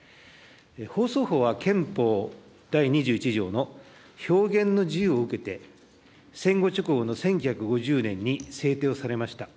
放送法は、憲法第２１条の表現の自由を受けて、戦後直後の１９５０年に制定をされました。